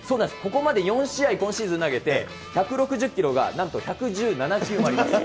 ここまで４試合、今シーズン投げて、１６０キロがなんと１１７球もあります。